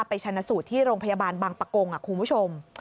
ชนะสูตรที่โรงพยาบาลบางปะกงคุณผู้ชม